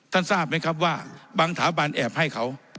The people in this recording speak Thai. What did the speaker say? ทราบไหมครับว่าบางสถาบันแอบให้เขา